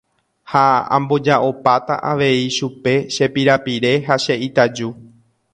Ha amboja'opáta avei chupe che pirapire ha che itaju.